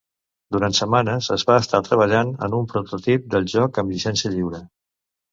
Durant setmanes es va estar treballant en un prototip del joc amb llicència lliure.